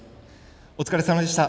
お疲れさまでした。